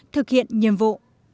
thực hiện nhiệm vụ